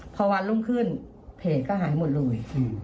พอวันรุ่งขึ้นเพจก็หายหมดเลย